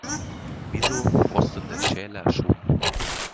Wieso rostet der Schäler schon?